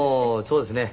そうですね。